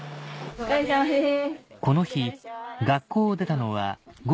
お疲れさまです。